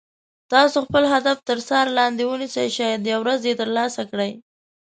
تاسو خپل هدف تر څار لاندې ونیسئ شاید یوه ورځ یې تر لاسه کړئ.